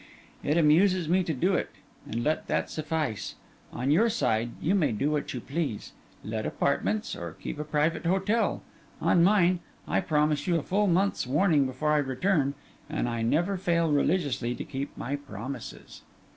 It amuses me to do it, and let that suffice. On your side, you may do what you please—let apartments, or keep a private hotel; on mine, I promise you a full month's warning before I return, and I never fail religiously to keep my promises.